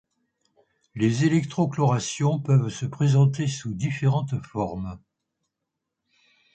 Les élecrochlorations peuvent se présenter sous différentes formes.